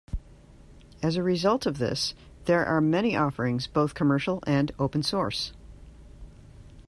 As a result of this, there are many offerings both commercial and open source.